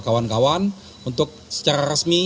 kawan kawan untuk secara resmi